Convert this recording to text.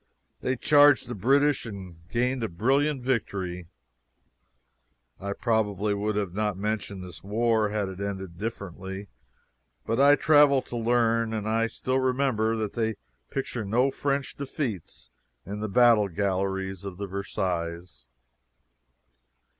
They charged the British and gained a brilliant victory. I probably would not have mentioned this war had it ended differently. But I travel to learn, and I still remember that they picture no French defeats in the battle galleries of Versailles.